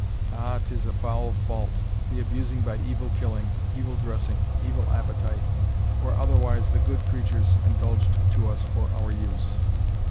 Ah! 'tis a foul fault, the abusing by evil killing, evil dressing, evil appetite, or otherwise, the good creatures indulged to us for our use.